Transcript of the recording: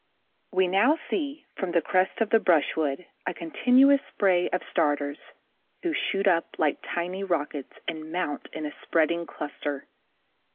We now see, from the crest of the brushwood, a continuous spray of starters, who shoot up like tiny rockets and mount in a spreading cluster.